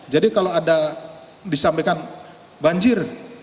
jadi kalau ada disampaikan banjir